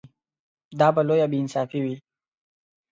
دا به لویه بې انصافي وي.